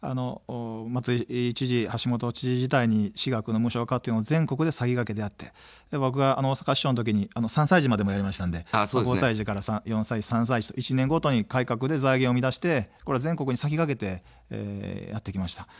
松井知事、橋下知事時代に私学の無償化というのを全国で先駆けてやって僕が大阪市長の時に３歳児までやりましたので、５歳児から４歳児、３歳児と１年ごとに改革で財源を生み出して全国に先駆けてやってきました。